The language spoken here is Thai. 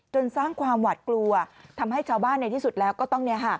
สร้างความหวัดกลัวทำให้ชาวบ้านในที่สุดแล้วก็ต้อง